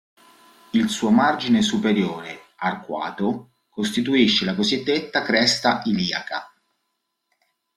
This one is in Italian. Il suo margine superiore, arcuato, costituisce la cosiddetta cresta iliaca.